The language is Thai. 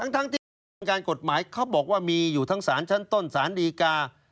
ทั้งที่กระบวนการกฎหมายเขาบอกว่ามีอยู่ทั้งสารชั้นต้นสารดีกา